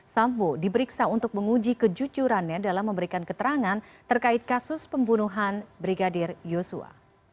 sambo diperiksa untuk menguji kejujurannya dalam memberikan keterangan terkait kasus pembunuhan brigadir yosua